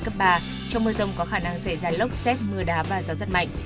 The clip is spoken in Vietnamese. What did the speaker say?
trong mưa rông có khả năng xảy ra lốc xét mưa đá và gió giật mạnh